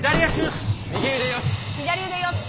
右腕よし。